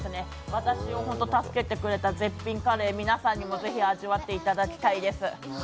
私を助けてくれた絶品カレー皆さんにもぜひ味わっていただきたいです。